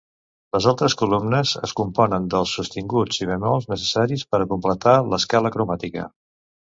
Les altres columnes es componen dels sostinguts i bemolls necessaris per a completar l'escala cromàtica.